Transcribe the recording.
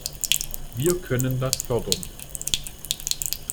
Wir können das fördern.